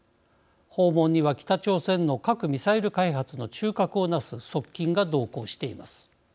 訪問には北朝鮮の核・ミサイル開発の中核をなす側近が同行しています。